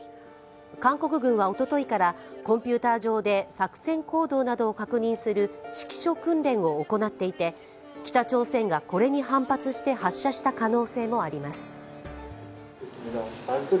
韓国軍はおとといからコンピューター上で作戦行動などを確認する指揮所訓練を行っていて北朝鮮がこれに反発して発射した可能性もあります。